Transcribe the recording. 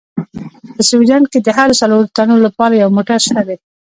په سویډن کې د هرو څلورو تنو لپاره یو موټر شته دي.